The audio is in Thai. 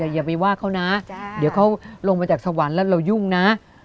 อย่าไปว่าเขานะเดี๋ยวเขาลงมาจากสวรรค์แล้วเรายุ่งนะ